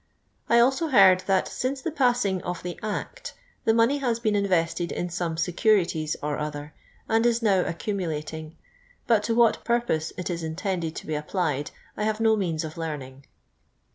I also heard, that since the p.is^ing of the Act, the money has been invested in some , 8; curitles or other, and is now accumulating, but to what ]inrpose it is intended to be applied I have no means of learning.